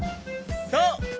そう！